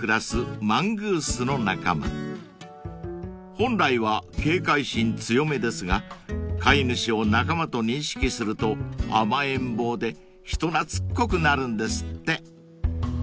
［本来は警戒心強めですが飼い主を仲間と認識すると甘えん坊で人懐っこくなるんですって］